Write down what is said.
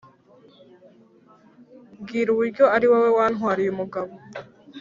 mbwira uburyo ari wowe wantwariye umugabo?”